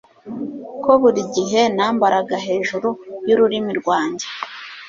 ko buri gihe nambaraga hejuru y'ururimi rwanjye